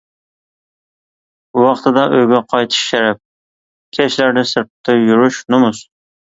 ۋاقتىدا ئۆيگە قايتىش شەرەپ، كەچلەردە سىرتتا يۈرۈش نومۇس.